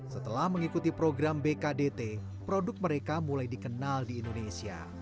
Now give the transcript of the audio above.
setelah mengikuti program bkdt produk mereka mulai dikenal di indonesia